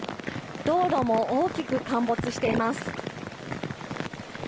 道路も大きく陥没しています。